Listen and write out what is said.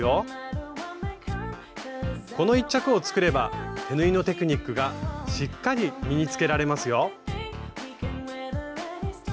この一着を作れば手縫いのテクニックがしっかり身につけられますよ！